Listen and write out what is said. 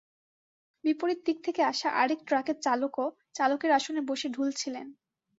বিপরীত দিক থেকে আসা আরেক ট্রাকের চালকও চালকের আসনে বসে ঢুলছিলেন।